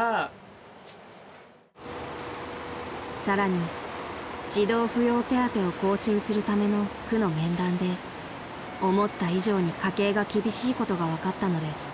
［さらに児童扶養手当を更新するための区の面談で思った以上に家計が厳しいことが分かったのです］